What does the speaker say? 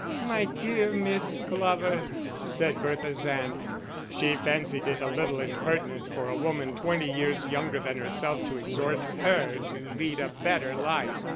"My dear Miss Glover!" said Bertha's aunt. She fancied it a little impertinent for a woman twenty years younger than herself to exhort her to lead a better life.